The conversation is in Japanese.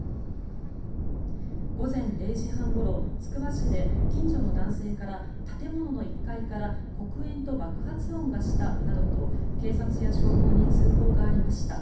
午前０時半ごろ、つくば市で近所の男性から建物の１階から黒煙と爆発音がしたなどと警察や消防に通報がありました。